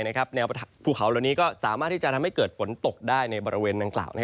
แนวภูเขาเหล่านี้ก็สามารถที่จะทำให้เกิดฝนตกได้ในบริเวณดังกล่าว